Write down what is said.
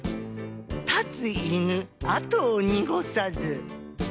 「立つ犬跡を濁さず」。